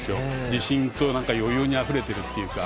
自信と余裕にあふれているというか。